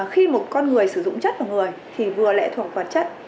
khi một con người sử dụng chất vào người thì vừa lệ thuộc vật chất